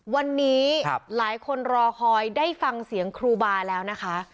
วันนี้หลายคนรอคอยได้ฟังเสียงครูบาแล้วนะคะ